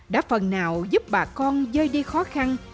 đã phần nào giúp bà con dơi đi khó khăn